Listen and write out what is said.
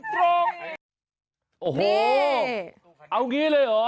โอ้โหเอาอย่างนี้เลยหรอ